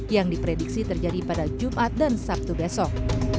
yang diprediksi terjadi pada jumat dan sabtu besok